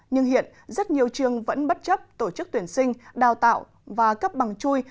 nhưng hiện rất nhiều trường vẫn bất chấp tổ chức tuyển sinh đào tạo và cấp bằng chui